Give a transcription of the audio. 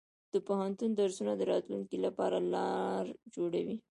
د پوهنتون درسونه د راتلونکي لپاره لار جوړوي.